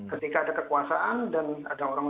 ketika ada kekuasaan dan ada orang